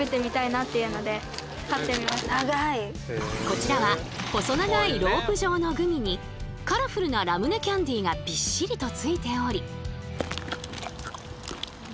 こちらは細長いロープ状のグミにカラフルなラムネキャンディーがびっしりとついており。